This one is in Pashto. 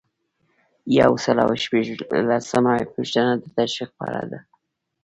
یو سل او شپږلسمه پوښتنه د تشویق په اړه ده.